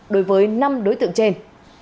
đối với năm đối tượng trên